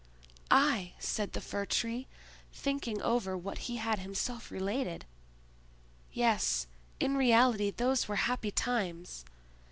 "I!" said the Fir tree, thinking over what he had himself related. "Yes, in reality those were happy times."